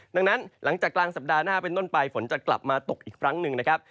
ดังนั้นหลังจากกลางสัปดาห์หน้าเป็นต้นไปฝนจะกลับมาตกอีกครั้งหนึ่งนะครับ